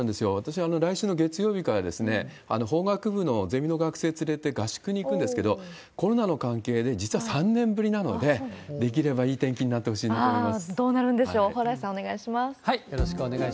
私は来週の月曜日から、法学部のゼミの学生連れて合宿に行くんですけれども、コロナの関係で、実は３年ぶりなので、できればいい天気になってほしいなと思います。